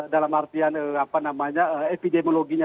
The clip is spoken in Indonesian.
dalam artian epidemiologinya